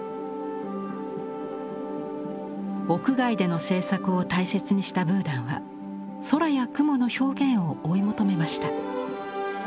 屋外での制作を大切にしたブーダンは空や雲の表現を追い求めました。